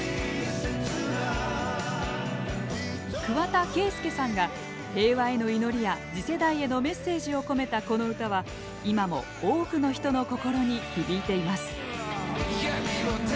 桑田佳祐さんが平和への祈りや次世代へのメッセージを込めたこの歌は今も多くの人の心に響いています。